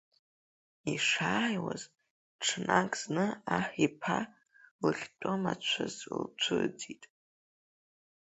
Ишааиуаз, ҽнак зны аҳ иԥҳа лыхьтәы мацәаз лцәыӡит.